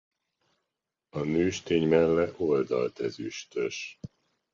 A nőstény melle oldalt ezüstös.